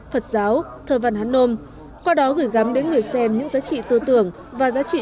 phật giáo thơ văn hán nôm qua đó gửi gắm đến người xem những giá trị tư tưởng và giá trị